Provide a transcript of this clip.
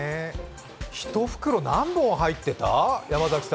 １袋何本入ってた？